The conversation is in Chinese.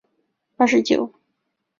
之后成为足球教练。